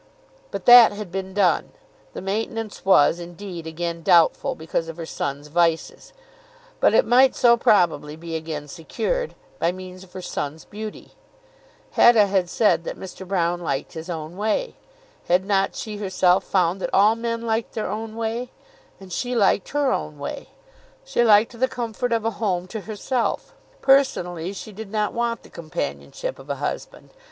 But that had been done. The maintenance was, indeed, again doubtful, because of her son's vices; but it might so probably be again secured, by means of her son's beauty! Hetta had said that Mr. Broune liked his own way. Had not she herself found that all men liked their own way? And she liked her own way. She liked the comfort of a home to herself. Personally she did not want the companionship of a husband.